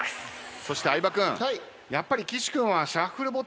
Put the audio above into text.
そして相葉君やっぱり。